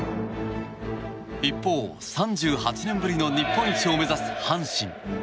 一方、３８年ぶりの日本一を目指す阪神。